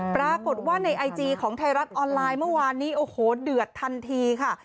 ปรากฏว่าในไอจีของไทยรัฐออนไลน์เมื่อวานนี้โอ้โหเดือดทันทีค่ะ